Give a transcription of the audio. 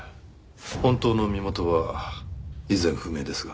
本当の身元は依然不明ですが。